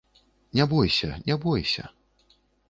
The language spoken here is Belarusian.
Не бойся, не бойся.